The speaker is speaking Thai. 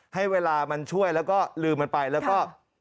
ให้เวลามันช่วยแล้วก็ลืมมันไปแล้วก็